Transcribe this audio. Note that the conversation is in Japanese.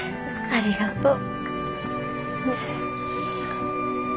ありがとう。